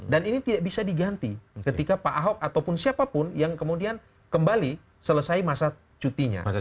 dan ini tidak bisa diganti ketika pak ahok ataupun siapapun yang kemudian kembali selesai masa cutinya